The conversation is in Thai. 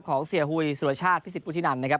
ของเสียหุยสุรชาติพิสิทวุฒินันนะครับ